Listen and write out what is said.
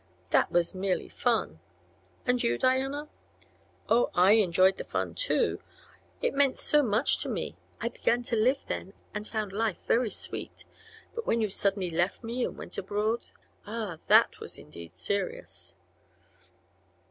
"That was merely fun. And you, Diana?" "Oh, I enjoyed the fun, too. It meant so much to me. I began to live, then, and found life very sweet. But when you suddenly left me and went abroad ah, that was indeed serious."